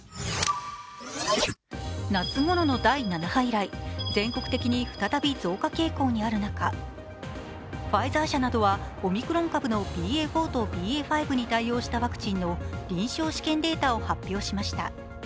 夏頃の第７波以来全国的に再び増加傾向にある中、ファイザー社などはオミクロン株のＢＡ．４とＢＡ．５に対応したワクチンの臨床試験データを発表しました。